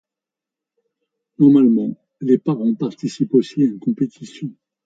Normalement, les parents participent aussi à une compétition.